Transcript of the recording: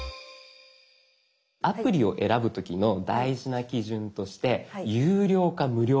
アプリを選ぶ時の大事な基準として有料か無料か。